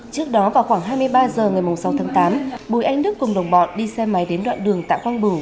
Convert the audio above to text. trước đó vào khoảng hai mươi ba h ngày sáu tháng tám bùi anh đức cùng đồng bọn đi xe máy đến đoạn đường tạ quang bửu